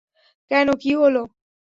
কেন, কি হলো?